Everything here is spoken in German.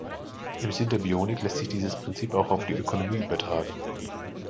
Im Sinn der Bionik lässt sich dieses Prinzip auch auf die Ökonomie übertragen.